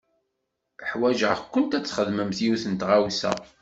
Uḥwaǧeɣ-kent ad txedmemt yiwet n tɣawsa.